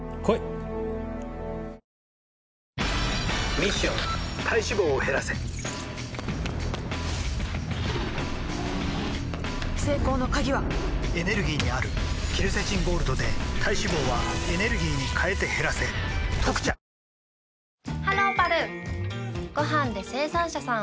ミッション体脂肪を減らせ成功の鍵はエネルギーにあるケルセチンゴールドで体脂肪はエネルギーに変えて減らせ「特茶」・肌キレイだよね。